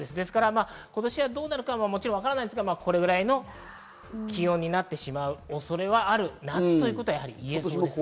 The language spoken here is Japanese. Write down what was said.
今年はどうなるかはわからないんですが、これくらい気温になってしまう恐れはある夏ということは言えそうです。